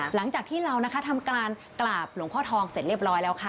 หลังจากที่เรานะคะทำการกราบหลวงพ่อทองเสร็จเรียบร้อยแล้วค่ะ